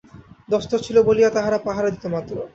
দস্তুর ছিল বলিয়া তাহারা পাহারা দিত মাত্র।